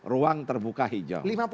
ruang terbuka hijau